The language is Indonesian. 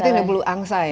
itu yang di bulu angsa ya